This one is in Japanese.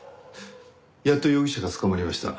やっと容疑者が捕まりました。